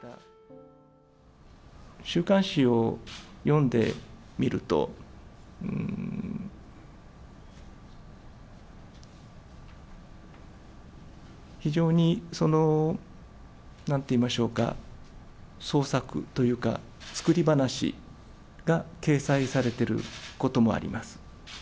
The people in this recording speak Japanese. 週刊誌を読んでみると、非常にその、なんと言いましょうか、創作というか、作り話が掲載されていることもあります。